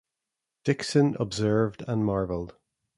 Dickson observed and marvelled.